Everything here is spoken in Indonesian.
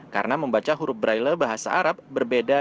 karena membaca huruf braille bahasa arab berbeda